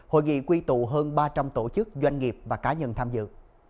hội nghị quy tụ hơn ba trăm linh tổ chức doanh nghiệp và cá nhân tham dự